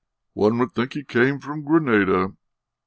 One would think he came from Grenada."